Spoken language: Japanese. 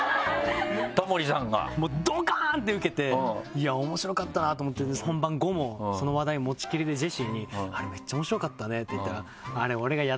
タモリさんが？いや面白かったなと思って本番後もその話題持ちきりでジェシーに「あれめっちゃ面白かったね」って言ったら。